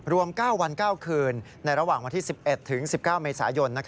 รวม๙วัน๙คืนในระหว่างวันที่๑๑ถึง๑๙เมษายน